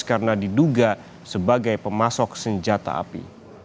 karena diduga sebagai pemasok senjata api